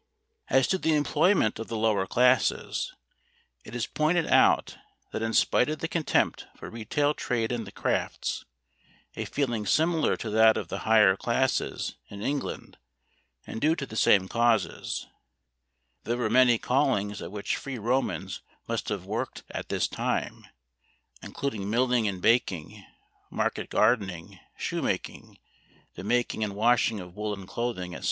As to the employment of the lower classes, it is pointed out that in spite of the contempt for retail trade and the crafts a feeling similar to that of the higher classes in England and due to the same causes there were many callings at which free Romans must have worked at this time, including milling and baking, market gardening, shoemaking, the making and washing of woolen clothing, etc.